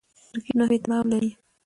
ترکیب نحوي تړاو لري.